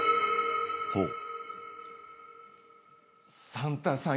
サンタさん